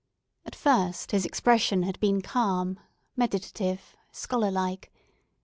At first, his expression had been calm, meditative, scholar like.